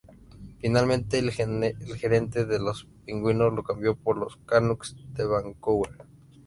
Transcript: Finalmente, el gerente de los Pingüinos lo cambió por los Canucks de Vancouver.